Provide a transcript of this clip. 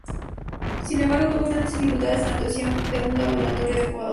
Sin embargo, tuvo grandes dificultades en la obtención de un laboratorio adecuado.